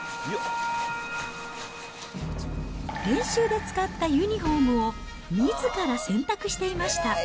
練習で使ったユニホームをみずから洗濯していました。